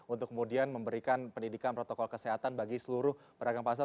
untuk kemudian memberikan pendidikan protokol kesehatan bagi seluruh pedagang pasar